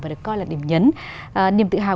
và được coi là điểm nhấn niềm tự hào